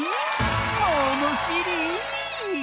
ものしり！